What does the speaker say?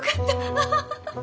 アハハハ！